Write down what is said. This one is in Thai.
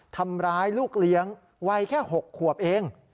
ทำร้ายลูกเลี้ยงวัยแค่๖ขวบเอง